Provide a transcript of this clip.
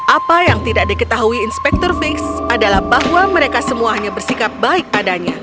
apa yang tidak diketahui inspektor fix adalah bahwa mereka semuanya bersikap baik padanya